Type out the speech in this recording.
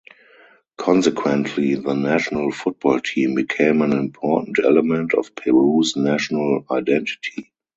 Consequently, the national football team became an important element of Peru's national identity.